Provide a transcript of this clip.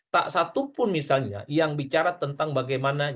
tak satupun misalnya yang bicara tentang bagaimana